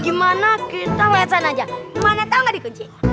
gimana kita lihat sana aja mana tau gak di kunci